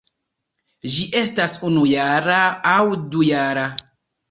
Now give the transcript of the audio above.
Ĝi estas unujara aŭ dujara.